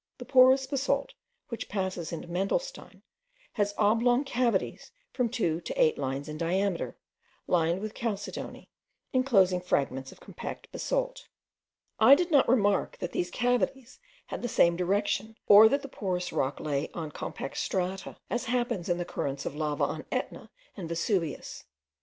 The porous basalt, which passes into mandelstein, has oblong cavities from two to eight lines in diameter, lined with chalcedony, enclosing fragments of compact basalt. I did not remark that these cavities had the same direction, or that the porous rock lay on compact strata, as happens in the currents of lava of Etna and Vesuvius.